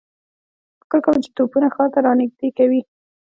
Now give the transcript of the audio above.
فکر کوم چې توپونه ښار ته را نږدې کوي.